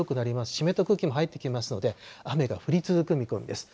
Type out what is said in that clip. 湿った空気も入ってきますので、雨が降り続く見込みです。